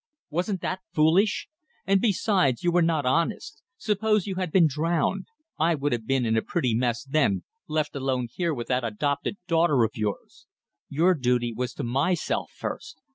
Wasn't that foolish! And, besides, you were not honest. Suppose you had been drowned? I would have been in a pretty mess then, left alone here with that adopted daughter of yours. Your duty was to myself first.